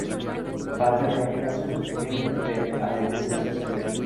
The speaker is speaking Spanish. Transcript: Parte de ella es susceptible de adherirse al socialismo.